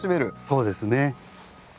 そうですね。